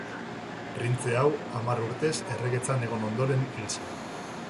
Printze hau hamar urtez erregetzan egon ondoren hil zen.